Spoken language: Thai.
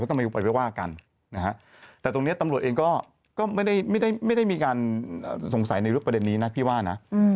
ถ้าตัวเนี่ยตัมหลวงก็ก็ไม่ได้เหมือนไม่ได้มีการสงสัยในประเด็นนี้นะขี้หวานะ